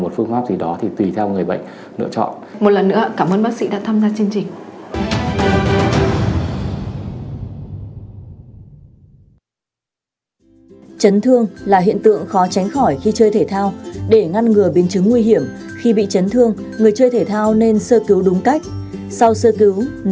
một phương pháp gì đó thì tùy theo người bệnh lựa chọn